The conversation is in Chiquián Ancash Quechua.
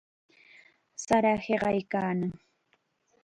Sara hiqaykannam.